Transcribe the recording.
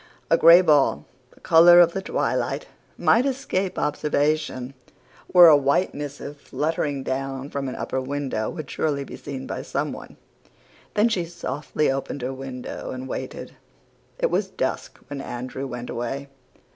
A gray ball, the color of the twilight, might escape observation, where a white missive fluttering down from an upper window would surely be seen by someone. Then she softly opened her window and waited. "It was dusk when Andrew went away.